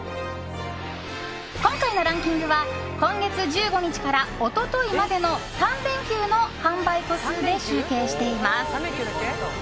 今回のランキングは今月１５日から一昨日までの３連休の販売個数で集計しています。